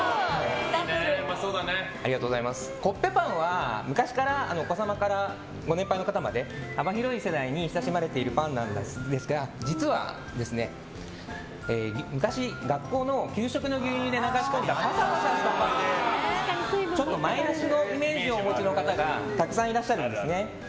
コッペパンは昔からお子様からご年配の方まで幅広い世代に親しまれているパンですが実は昔学校の給食の牛乳で流し込んだパサパサしたパンでしょとちょっとマイナスのイメージをお持ちの方がたくさんいらっしゃるんですよね。